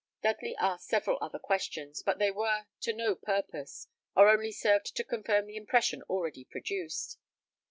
Dudley asked several other questions, but they were to no purpose, or only served to confirm the impression already produced.